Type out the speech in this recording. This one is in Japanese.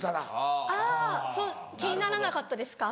あぁ気にならなかったですか？